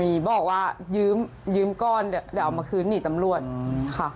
มีบอกว่ายืมก้อนเดี๋ยวเอามาคืนหนีตำรวจค่ะ